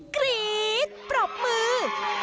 ๕๔๓๒๑กรี๊ดปรบมือ